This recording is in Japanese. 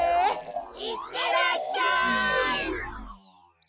いってらっしゃい！